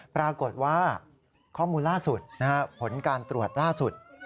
ปรากฏว่าข้อมูลล่าสุดผลการตรวจล่าสุด